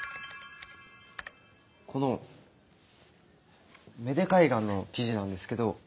この芽出海岸の記事なんですけど。